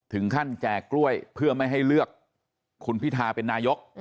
แจกกล้วยเพื่อไม่ให้เลือกคุณพิทาเป็นนายก